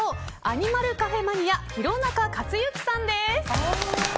アニマルカフェマニア廣中克至さんです。